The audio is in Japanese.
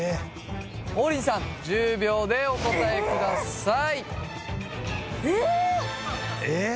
王林さん１０秒でお答えくださいええー！